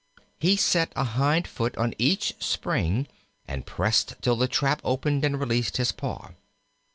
He set a hind foot on each spring and pressed till the trap opened and released his paw.